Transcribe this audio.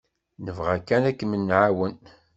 Nebɣa kan ad kem-nεawen.